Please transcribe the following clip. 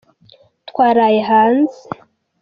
twaraye hanze.